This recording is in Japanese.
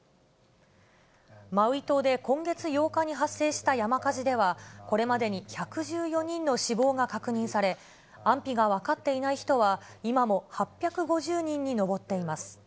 マウイ島で今月８日に発生した山火事では、これまでに１１４人の死亡が確認され、安否が分かっていない人は今も８５０人に上っています。